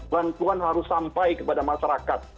bantuan harus sampai kepada masyarakat